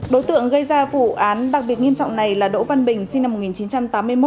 đối tượng gây ra vụ án đặc biệt nghiêm trọng này là đỗ văn bình sinh năm một nghìn chín trăm tám mươi một